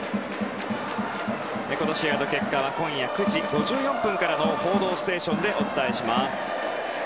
この試合の結果は今夜９時５４分からの「報道ステーション」でお伝えします。